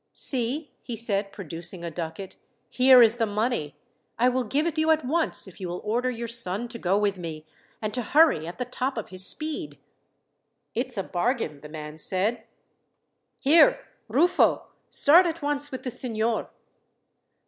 "See," he said, producing a ducat, "here is the money. I will give it you at once if you will order your son to go with me, and to hurry at the top of his speed." "It's a bargain," the man said. "Here, Rufo! start at once with the signor."